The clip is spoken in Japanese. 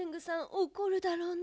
おこるだろうな。